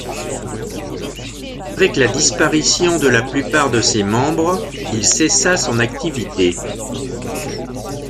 Avec la disparition de la plupart de ses membres, il cessa son activité.